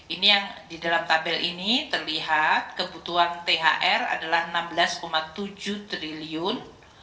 ini yang di dalam tabel ini terlihat kebutuhan thr adalah rp enam belas tujuh triliun